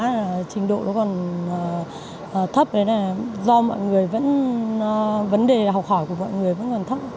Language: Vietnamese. thì trình độ nó còn thấp thế này do mọi người vẫn vấn đề học hỏi của mọi người vẫn còn thấp